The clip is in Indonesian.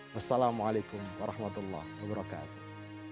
wassalamualaikum warahmatullahi wabarakatuh